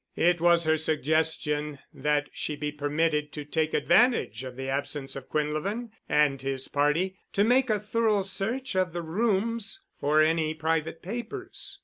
It was her suggestion that she be permitted to take advantage of the absence of Quinlevin and his party to make a thorough search of the rooms for any private papers.